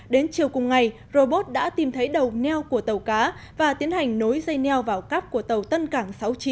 đến chiều cùng ngày robot đã tìm thấy đầu neo của tàu cá và tiến hành nối dây neo vào cắp của tàu tân cảng sáu mươi chín